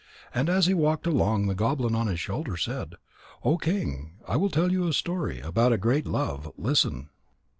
And as he walked along, the goblin on his shoulder said: "O King, I will tell you a story about a great love. Listen."